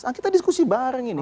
kita diskusi bareng ini